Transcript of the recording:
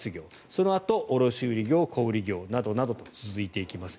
そのあと卸売業・小売業などなどと続いていきます。